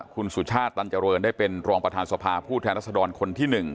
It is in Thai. คุณสุชาติตันเจริญได้เป็นรองประธานสภาผู้แทนรัศดรคนที่๑